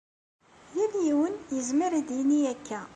Yal yiwen yezmer ad d-yini akka.